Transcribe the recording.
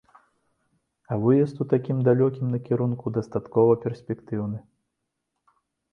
А выезд ў такім далёкім накірунку дастаткова перспектыўны.